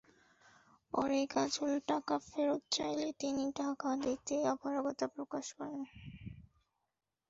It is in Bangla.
পরে কাজল টাকা ফেরত চাইলে তিনি টাকা দিতে অপরগতা প্রকাশ করেন।